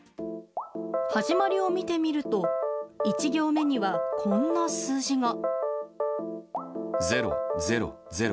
始まりを見てみると１行目には、こんな数字が。